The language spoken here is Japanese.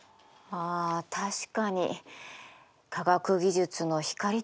あ確かに科学技術の光と影。